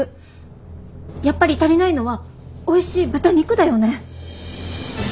やっぱり足りないのはおいしい豚肉だよね。